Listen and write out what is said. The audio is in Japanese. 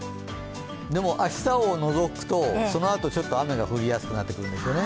でも、明日をのぞくと、そのあとちょっと雨が降りやすくなってくるんですよね